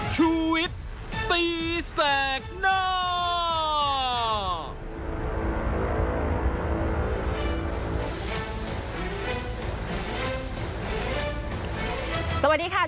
ชีวิตกระมวลวิสิทธิ์สุภาณีขวดชภัณฑ์